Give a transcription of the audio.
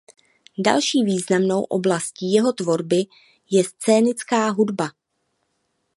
Další významnou oblastí jeho tvorby je scénická hudba.